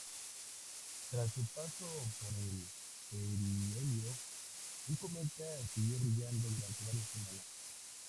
Tras su paso por el perihelio, el cometa siguió brillando durante varias semanas.